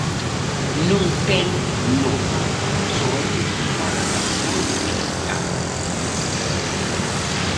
Non ten nome, soamente fala da fraude fiscal.